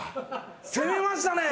攻めましたね！